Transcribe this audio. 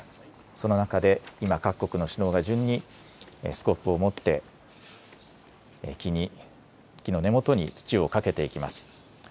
その中で今、各国の首脳が順にスコップを持って木の根元に土をかけていきます。